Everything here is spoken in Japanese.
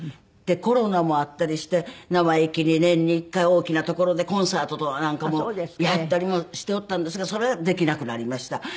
でコロナもあったりして生意気に年に１回大きな所でコンサートなんかもやったりもしておったんですがそれできなくなりました。